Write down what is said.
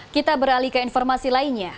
kita beralih ke informasi lainnya